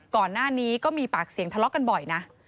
ก่อนหน้านี้ก็มีปากเสียงทะเลาะกันบ่อยนะ